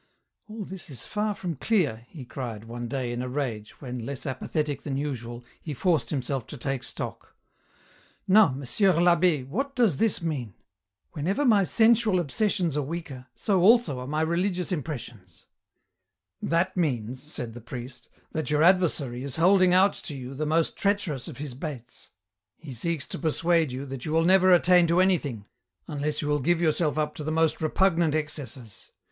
All this is far from clear," he cried, one day, in a rage, when, less apathetic than usual, he forced himself to take stock. " Now, Monsieur I'Abbd, what does this mean ? Whenever my sensual obsessions are weaker, so also are my religious impressions." " That means," said the priest, " that your adversary is holding out to you the most treacherous of his baits. He seeks to persuade you that you will never attain to any thing unless you will give yourself up to the most repug nant excesses.